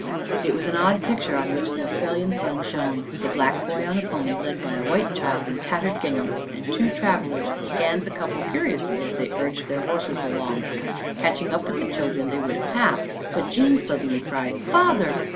It was an odd picture on which the Australian sun shone, the black boy on a pony led by a white child in tattered gingham, and two travellers scanned the couple curiously as they urged their horses along. Catching up with the children they would have passed, but Jean suddenly cried, " Father!